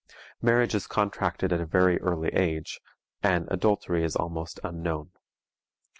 Marriage is contracted at a very early age, and adultery is almost unknown.